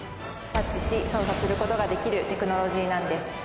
タッチし操作することができるテクノロジーなんです